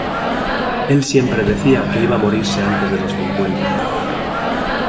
El siempre decía que iba a morirse antes de los cincuenta.